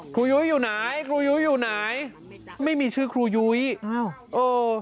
ยุ้ยอยู่ไหนครูยุ้ยอยู่ไหนไม่มีชื่อครูยุ้ยอ้าวเออ